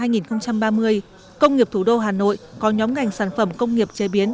năm hai nghìn ba mươi công nghiệp thủ đô hà nội có nhóm ngành sản phẩm công nghiệp chế biến